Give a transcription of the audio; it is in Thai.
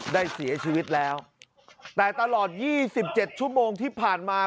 ได้เสียชีวิตแล้วแต่ตลอดยี่สิบเจ็ดชั่วโมงที่ผ่านมา